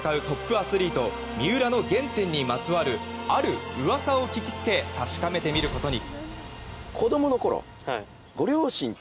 アスリート三浦の原点にまつわるある噂を聞きつけ確かめてみることに。